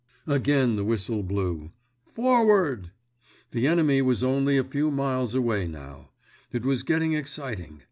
Again the whistle blew—Forward! The enemy was only a few miles away now; it was getting exciting.